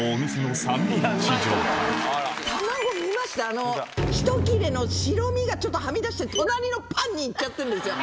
あのひと切れの白身がちょっとはみ出して隣のパンに行っちゃってんですよ。